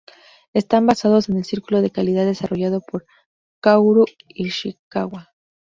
Están basados en el círculo de calidad desarrollado por Kaoru Ishikawa.